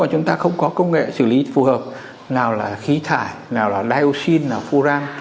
chúng ta không có công nghệ xử lý phù hợp nào là khí thải nào là dioxin là furang